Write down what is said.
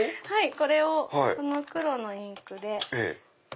これをこの黒のインクで。